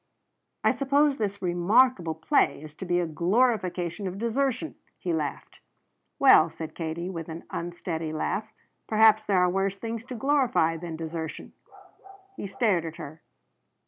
I suppose this remarkable play is to be a glorification of desertion," he laughed. "Well," said Katie with an unsteady laugh, "perhaps there are worse things to glorify than desertion." He stared at her.